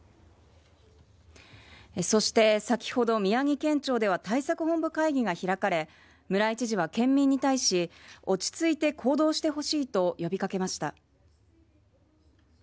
そして先ほど宮城県庁では対策本部会議が開かれ村井知事は県民に対し落ち着いて行動してほしいと呼び掛けました。